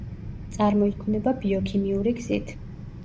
წარმოიქმნება ბიოქიმიური გზით.